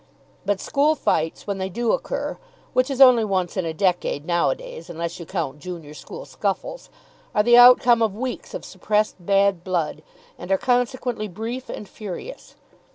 But school fights, when they do occur which is only once in a decade nowadays, unless you count junior school scuffles are the outcome of weeks of suppressed bad blood, and are consequently brief and furious.